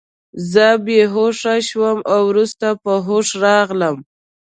زه بې هوښه شوم او وروسته په هوښ راغلم